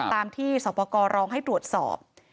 ตามที่สรรพากรรองให้ตรวจสอบ